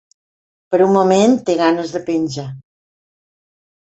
Per un moment té ganes de penjar.